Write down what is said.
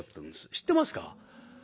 知ってますか？